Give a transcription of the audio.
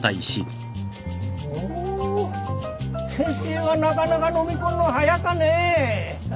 お先生はなかなかのみ込んの早かね。